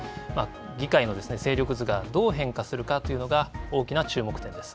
議会の勢力図がどう変化するかというのが大きな注目点です。